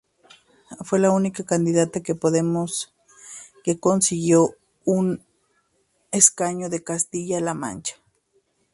Fue la única candidata de Podemos que consiguió un escaño en Castilla-La Mancha.